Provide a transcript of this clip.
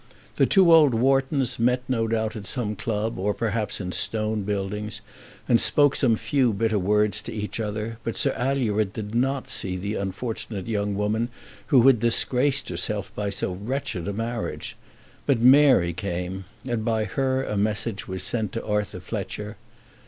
The two old Whartons met no doubt at some club, or perhaps in Stone Buildings, and spoke some few bitter words to each other; but Sir Alured did not see the unfortunate young woman who had disgraced herself by so wretched a marriage. But Mary came, and by her a message was sent to Arthur Fletcher.